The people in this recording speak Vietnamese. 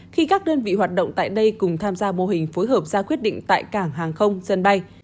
khi các đơn vị hoạt động tại đây cùng tham gia mô hình phối hợp ra quyết định tại cảng hàng không sân bay